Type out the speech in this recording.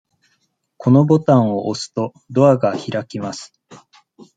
このボタンを押すと、ドアが開きます。